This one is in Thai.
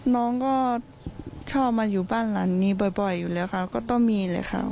น้องก็ชอบมาอยู่บ้านหลังนี้บ่อยอยู่แล้วค่ะก็ต้องมีเลยค่ะ